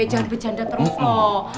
jangan becanda terus loh